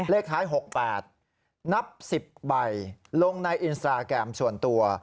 เลขท้าย๖๘นับ๑๐ใบลงในอินสตราแกรมส่วนตัว